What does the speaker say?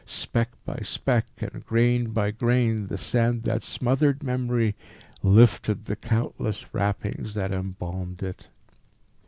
Speck by speck, and grain by grain, the sand that smothered memory lifted the countless wrappings that embalmed it.